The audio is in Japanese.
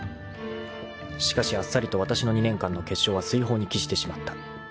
［しかしあっさりとわたしの２年間の結晶は水泡に帰してしまった］